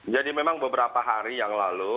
jadi memang beberapa hari yang lalu